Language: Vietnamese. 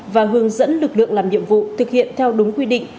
và hướng dẫn lực lượng làm nhiệm vụ thực hiện theo đúng quy định